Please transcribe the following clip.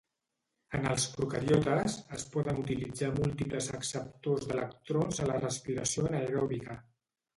En els procariotes, es poden utilitzar múltiples acceptors d'electrons a la respiració anaeròbica.